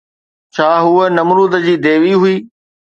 ڇا هوءَ نمرود جي ديوي هئي؟